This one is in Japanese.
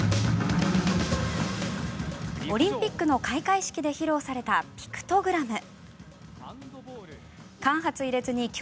オリンピックの開会式で披露された、ピクトグラム。